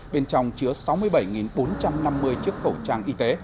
bên trong chứa sáu mươi bảy bốn trăm năm mươi chiếc khẩu trang y tế